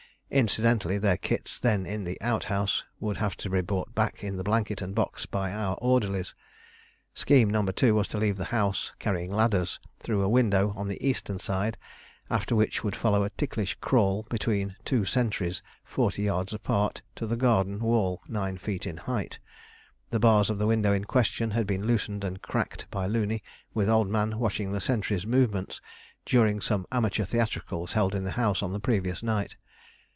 Incidentally their kits, then in the outhouse, would have to be brought back in the blanket and box by our orderlies. Scheme No. 2 was to leave the house, carrying ladders, through a window on the eastern side; after which would follow a ticklish crawl between two sentries forty yards apart to the garden wall nine feet in height. The bars of the window in question had been loosened and cracked by Looney, with Old Man watching the sentries' movements, during some amateur theatricals held in the house on the previous night.